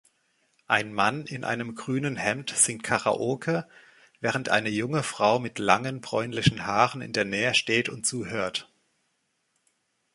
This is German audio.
Ein Mann in einem grünen Hemd singt Karaoke, während eine junge Frau mit langen bräunlichen Haaren in der Nähe steht und zuhört